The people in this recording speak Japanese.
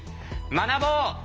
学ぼう！